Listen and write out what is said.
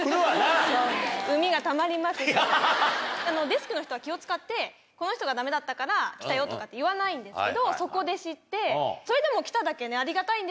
デスクの人は気を使ってこの人がダメだったから来たよとかって言わないんですけどそこで知って。